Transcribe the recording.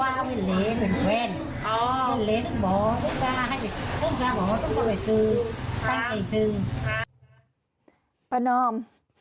แม่ประนอม